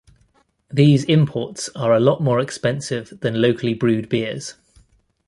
These imports are a lot more expensive than locally brewed beers.